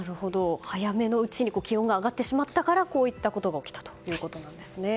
早めのうちに気温が上がってしまったからこういったことが起きたということです。